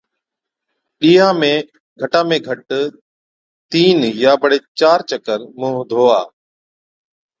ڏِيها ۾ گھٽا ۾ گھٽ تِين يان بڙي چار چڪر مُونه ڌوا